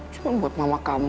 cuma buat mama kamu